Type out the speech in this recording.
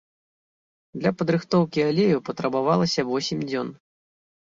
Для падрыхтоўкі алею патрабавалася восем дзён.